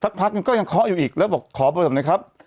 สักพักก็ยังเคาะอยู่อีกแล้วบอกขอเบอร์โทรศัพท์หน่อยครับ